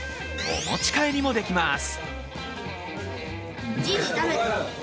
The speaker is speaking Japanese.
お持ち帰りもできます。